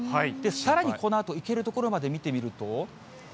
さらに、このあと行けるところまで見てみると。